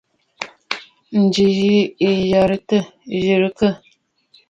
Ǹjì yì ɨ jɛrɨkə.